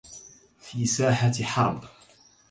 في ساحة حربِ